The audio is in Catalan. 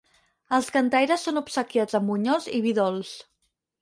Els cantaires són obsequiats amb bunyols i vi dolç.